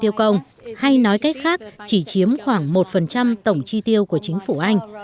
tiêu công hay nói cách khác chỉ chiếm khoảng một tổng chi tiêu của chính phủ anh